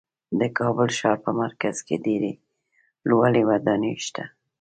د کابل ښار په مرکز کې ډېرې لوړې ودانۍ شته.